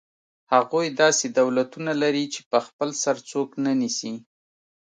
هغوی داسې دولتونه لري چې په خپل سر څوک نه نیسي.